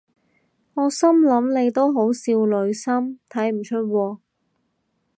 我心諗你都好少女心睇唔出喎